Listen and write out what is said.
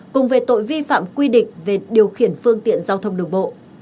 cùng về tội vi phạm quy định về điều khiển phương tiện giao thông đường bộ